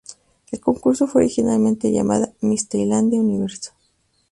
El concurso fue originalmente llamada Miss Tailandia Universo.